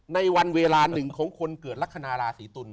ในวันเวลาหนึ่งของคนเกิดลักษณะราศีตุล